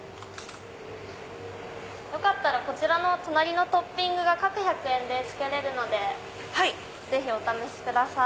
よかったら隣のトッピングが各１００円で付けれるのでぜひお試しください。